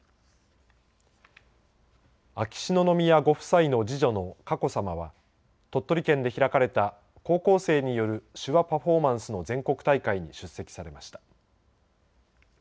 秋篠宮ご夫妻の次女の佳子さまは鳥取県で開かれた高校生による手話パフォーマンスの全国大会に出席されました。